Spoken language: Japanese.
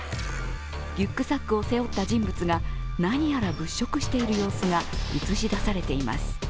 リュックサックを背負った人物が何やら物色している様子が映し出されています。